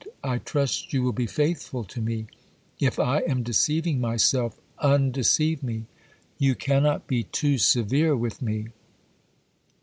I trust you will be faithful to me. If I am deceiving myself, undeceive me; you cannot be too severe with me.